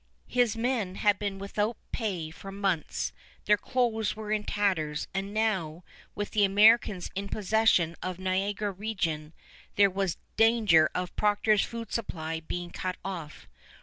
His men had been without pay for months; their clothes were in tatters, and now, with the Americans in possession of Niagara region, there was danger of Procter's food supply being cut off.